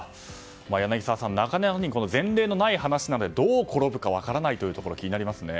柳澤さん、前例のない話なのでどう転ぶか分からないというところ、気になりますね。